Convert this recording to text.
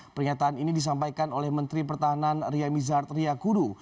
pernyataan ini disampaikan oleh menteri pertahanan ria mizar triakudu